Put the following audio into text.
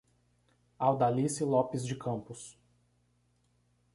Audalice Lopes de Campos